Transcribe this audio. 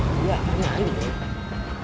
iya adiknya andin